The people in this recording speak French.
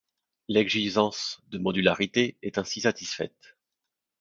L'exigence de modularité est ainsi satisfaite.